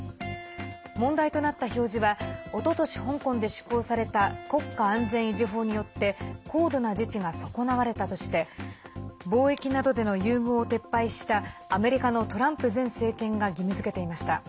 問題となった表示はおととし、香港で施行された国家安全維持法によって高度な自治が損なわれたとして貿易などでの優遇を撤廃したアメリカのトランプ前政権が義務づけていました。